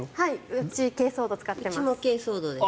うち珪藻土、使ってます。